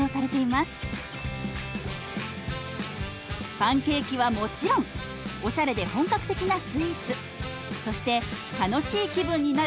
パンケーキはもちろんおしゃれで本格的なスイーツそして楽しい気分になる